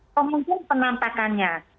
atau mungkin penampakannya